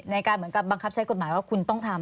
เหมือนกับบังคับใช้กฎหมายว่าคุณต้องทำ